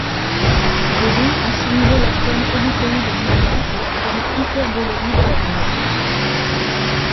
Gaudí assimilait la forme hélicoïde au mouvement, et la forme hyperboloïde à la lumière.